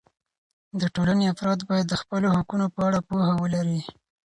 د ټولنې افراد باید د خپلو حقونو په اړه پوهه ولري.